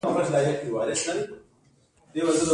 غواګانو نوی ویروس په چټکۍ خپرېږي.